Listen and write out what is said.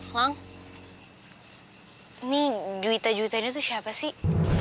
lang nih juwita juwita ini tuh siapa sih